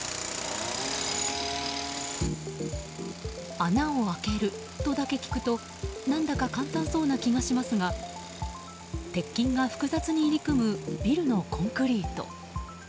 穴を開けるとだけ聞くと何だか簡単そうな気がしますが鉄筋が複雑に入り組むビルのコンクリート。